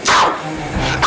aku itu masih hidup